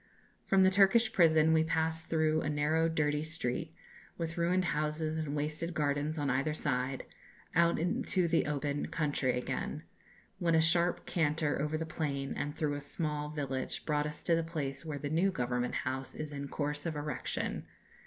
"From the Turkish prison we passed through a narrow dirty street, with ruined houses and wasted gardens on either side, out into the open country again, when a sharp canter over the plain and through a small village brought us to the place where the new Government House is in course of erection.